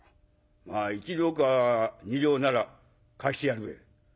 １両か２両なら貸してやるべ」。